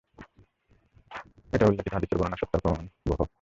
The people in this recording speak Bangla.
এটাও উল্লেখিত হাদীসের বর্ণনার সত্যতার প্রমাণবহ।